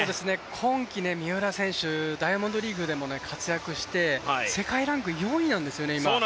今季、三浦選手、ダイヤモンドリーグでも活躍して世界ランク４位なんですよね、今。